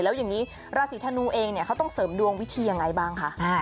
แล้วอย่างนี้ราศีธนูเองเนี่ยเขาต้องเสริมดวงวิธียังไงบ้างคะ